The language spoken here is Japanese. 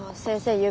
先生